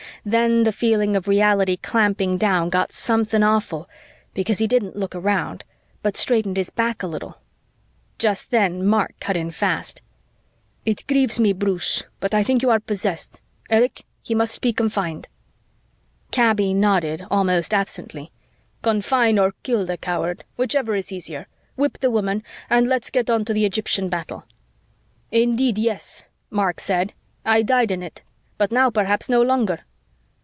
Then the feeling of reality clamping down got something awful, because he didn't look around, but straightened his back a little. Just then, Mark cut in fast. "It grieves me, Bruce, but I think you are possessed. Erich, he must be confined." Kaby nodded, almost absently. "Confine or kill the coward, whichever is easier, whip the woman, and let's get on to the Egyptian battle." "Indeed, yes," Mark said. "I died in it. But now perhaps no longer."